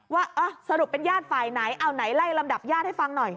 ว่าสรุปเป็นญาติฝ่ายไหนเอาไหนไล่ลำดับญาติให้ฟังหน่อย